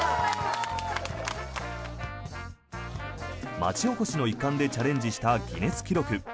町おこしの一環でチャレンジしたギネス記録。